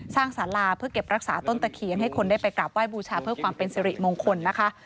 สาราเพื่อเก็บรักษาต้นตะเคียนให้คนได้ไปกราบไห้บูชาเพื่อความเป็นสิริมงคลนะคะ